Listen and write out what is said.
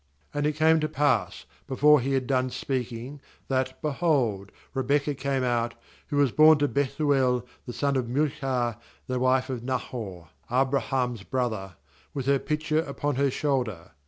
15And it came to pass, before he had done speaking, that, behold, Rebekah came out, who was bom to Bethuel the son of Milcah, the wife of Nahor, Abraham's brother, with her pitcher upon her shoulder.